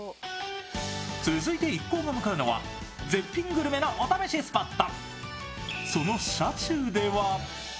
続いて一行が向かうのは絶品グルメのお試しスポット。